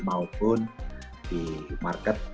maupun di market